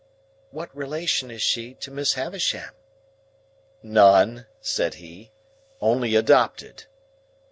"What relation is she to Miss Havisham?" "None," said he. "Only adopted."